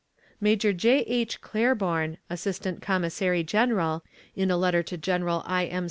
Major J. H. Claiborne, assistant commissary general, in a letter to General I. M.